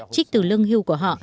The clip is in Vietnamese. trích từ lương hưu của họ